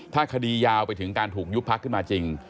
ถ้าคดียาวไปถึงการถูกยุบพักขึ้นมาจริง